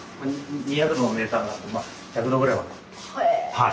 はい。